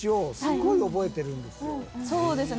そうですね。